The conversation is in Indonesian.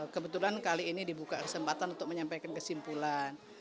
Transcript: kebetulan kali ini dibuka kesempatan untuk menyampaikan kesimpulan